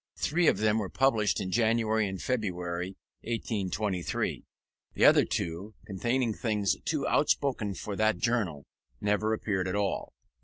Three of them were published in January and February, 1823; the other two, containing things too outspoken for that journal, never appeared at all.